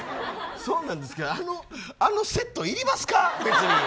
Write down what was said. そんなんですけどあのセット、いりますか。